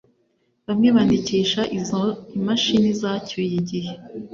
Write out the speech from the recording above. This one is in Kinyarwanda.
Bamwe bandikisha izo imashini zacyuye igihe